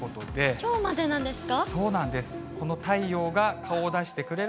きょうまでなんですか？